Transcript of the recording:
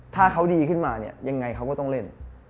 ถ้าเขาดีขึ้นมาเนี่ยยังไงเขาก็ต้องเล่น